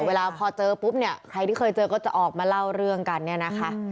เวลาพอเจอปุ๊บใครที่เคยเจอก็จะออกมาเล่าเรื่องกัน